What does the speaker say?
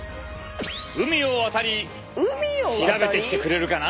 海を渡り調べてきてくれるかな。